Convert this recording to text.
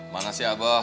mana si abah